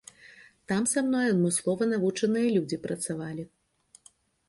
Там са мной адмыслова навучаныя людзі працавалі.